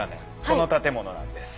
この建物なんです。